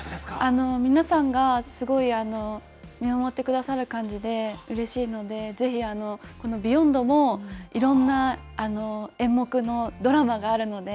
皆さんが、すごい見守ってくださる感じでうれしいので、ぜひ、このビヨンドも、いろんな演目のドラマがあるので。